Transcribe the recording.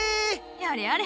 やれやれ